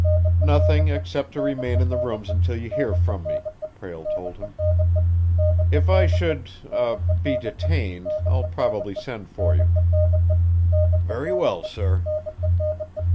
"Nothing except to remain in the rooms until you hear from me," Prale told him. "If I should er be detained, I'll probably send for you." "Very well, sir."